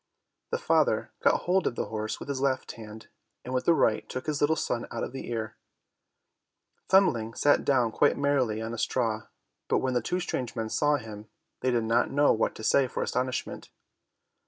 The father got hold of the horse with his left hand and with the right took his little son out of the ear. Thumbling sat down quite merrily on a straw, but when the two strange men saw him, they did not know what to say for astonishment.